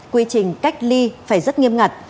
quy trình cách ly phải rất nghiêm ngặt